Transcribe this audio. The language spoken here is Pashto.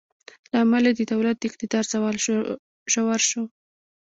له امله یې د دولت د اقتدار زوال ژور شو.